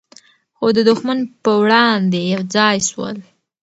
خو د دښمن په وړاندې یو ځای سول.